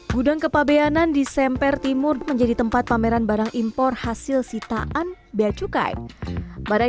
gudang kepabeanan di semper timur menjadi tempat pameran barang impor hasil sitaan bea cukai badai